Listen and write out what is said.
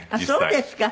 そうですか！